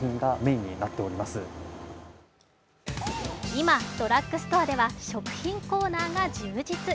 今、ドラッグストアでは食品コーナーが充実。